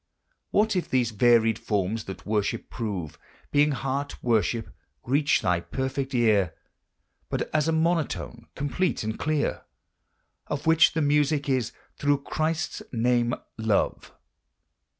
What if these varied forms that worship prove, Being heart worship, reach thy perfect ear But as a monotone, complete and clear, Of which the music is, through Christ's name, love?